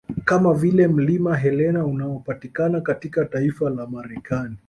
Kama vile mlima Helena unaopatikana katika taifa la Marekani